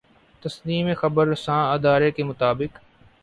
تسنیم خبررساں ادارے کے مطابق